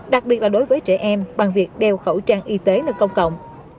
đặc biệt là đối với trẻ em bằng việc đeo khẩu trang y tế nơi công cộng